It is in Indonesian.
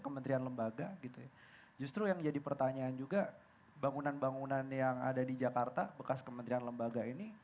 kementerian lembaga gitu ya justru yang jadi pertanyaan juga bangunan bangunan yang ada di jakarta bekas kementerian lembaga ini